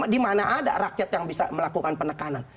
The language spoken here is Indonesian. di mana ada rakyat yang bisa melakukan penekanan